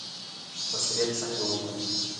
مسوولیت څنګه ومنو؟